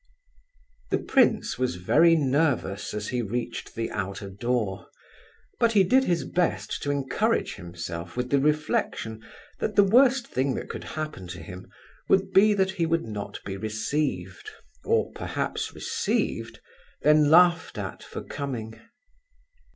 The prince was very nervous as he reached the outer door; but he did his best to encourage himself with the reflection that the worst thing that could happen to him would be that he would not be received, or, perhaps, received, then laughed at for coming.